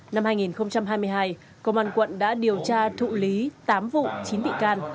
năm hai nghìn hai mươi hai công an quận đã điều tra thụ lý tám vụ chín bị can